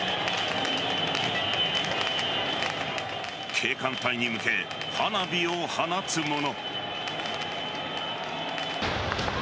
警官隊に向け、花火を放つ者も。